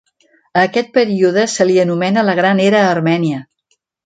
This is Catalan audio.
A aquest període se li anomena la Gran Era Armènia.